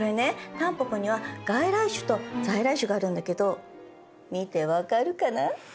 タンポポには外来種と在来種があるんだけど見て分かるかな？